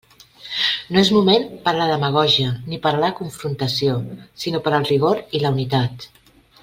No és moment per a la demagògia ni per a la confrontació, sinó per al rigor i la unitat.